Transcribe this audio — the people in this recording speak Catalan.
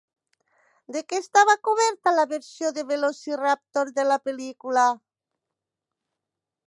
De què estava coberta la versió de Velociraptor de la pel·lícula?